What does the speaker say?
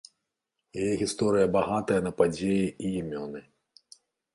Яе гісторыя багатая на падзеі і імёны.